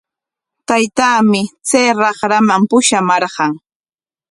Taytaami chay raqraman pushamarqan.